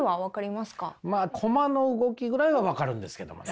まあ駒の動きぐらいは分かるんですけどもね。